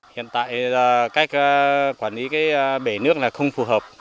hiện tại cách quản lý cái bể nước là không phù hợp